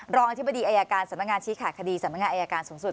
อธิบดีอายการสำนักงานชี้ขาดคดีสำนักงานอายการสูงสุด